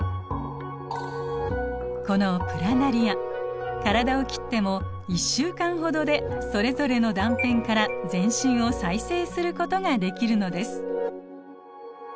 このプラナリア体を切っても１週間ほどでそれぞれの断片から全身を再生することができるのです。